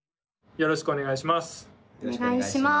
よろしくお願いします。